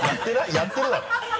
やってるだろ？